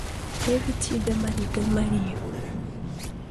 Теве тиде марий гын марий!